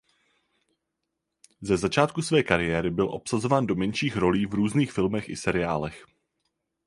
Ze začátku své kariéry byl obsazován do menších rolí v různých filmech i seriálech.